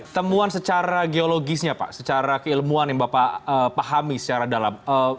temuan secara geologisnya pak secara keilmuan yang bapak pahami secara dalam